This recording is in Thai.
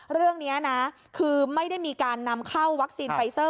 เรื่องนี้นะคือไม่ได้มีการนำเข้าวัคซีนไฟเซอร์